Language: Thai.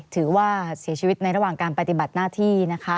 ถือว่าเสียชีวิตในระหว่างการปฏิบัติหน้าที่นะคะ